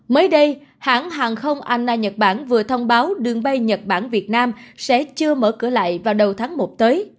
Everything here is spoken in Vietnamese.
mới đây hãng hàng không anna nhật bản vừa thông báo đường bay nhật bản việt nam sẽ chưa mở cửa lại vào đầu tháng một tới